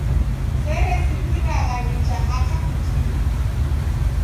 Seresikiragha nicha hata kutini.